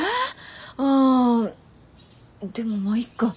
あでもまあいいか。